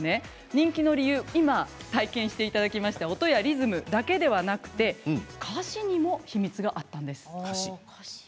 人気の理由、今体験していただいた音やリズムだけではなくて歌詞にも秘密があったんです。